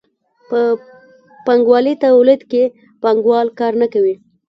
په پانګوالي تولید کې پانګوال کار نه کوي.